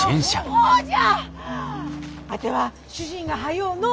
そうじゃ！